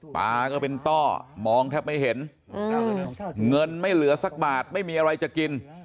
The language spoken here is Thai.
ก็เป็นต้อมองแทบไม่เห็นเงินไม่เหลือสักบาทไม่มีอะไรจะกิน